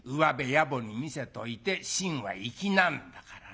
野暮に見せといて芯は粋なんだからね。